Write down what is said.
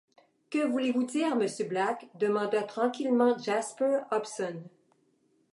Que voulez-vous dire, monsieur Black ? demanda tranquillement Jasper Hobson.